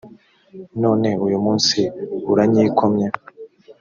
none uyu munsi uranyikomye